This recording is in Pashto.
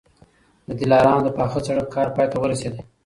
د دلارام د پاخه سړک کار پای ته ورسېدی.